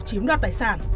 chiếm đoạt tài sản